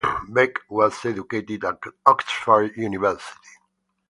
Bek was educated at Oxford University.